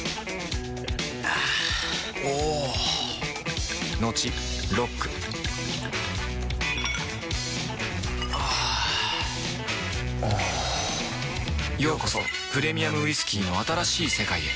あぁおぉトクトクあぁおぉようこそプレミアムウイスキーの新しい世界へ